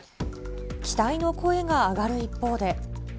期待の声が上がる一方で。